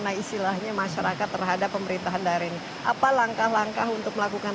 naik istilahnya masyarakat terhadap pemerintahan dari ini apa langkah langkah untuk melakukan